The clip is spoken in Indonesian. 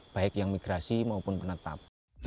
baik yang migrasi maupun penetap